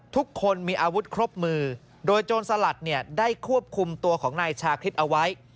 ทุกคนมีอาวุธครบมือโดยโจรสลัดเนี่ยได้ควบคุมตัวของนายชาคริสต์เอาไว้